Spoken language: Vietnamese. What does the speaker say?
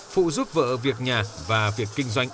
phụ giúp vợ việc nhà và việc kinh doanh